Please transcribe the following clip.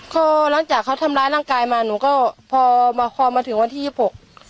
พอหลังจากเขาทำร้ายร่างกายมาหนูก็พอมาพอมาถึงวันที่ยี่สิบหก